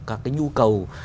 các cái nhu cầu